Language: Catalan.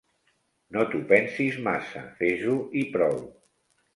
No t'ho pensis massa, fes-ho i prou.